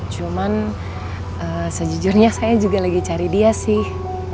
cuman sejujurnya saya juga lagi cari dia sih